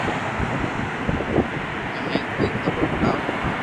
مني ڪوئي خبر ھڻاوُ